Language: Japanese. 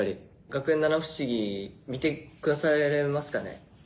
「学園七不思議」見てくださいますかね？